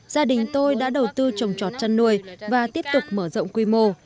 gia đình tôi đã đầu tư trồng trọt chăn nuôi và tiếp tục mở rộng quy mô